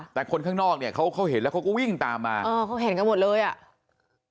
แต่คนข้างนอกเนี่ยเขาเขาเห็นแล้วเขาก็วิ่งตามมาเออเขาเห็นกันหมดเลยอ่ะ